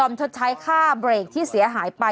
คุณผู้ชมไปดูอีกหนึ่งเรื่องนะคะครับ